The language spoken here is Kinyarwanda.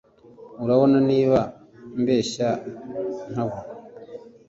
Urabona niba mbeshya nkabo